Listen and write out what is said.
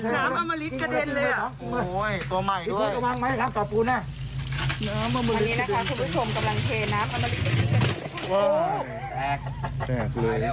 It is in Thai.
น้ำอมลิตกระเด็นเลยอ่ะ